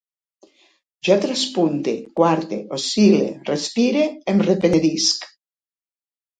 Jo traspunte, quarte, oscil·le, respire, em repenedisc